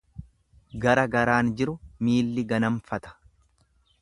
Gara garaan jiru miilli ganamfata.